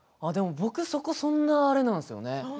僕、そこそんなあれなんですよね。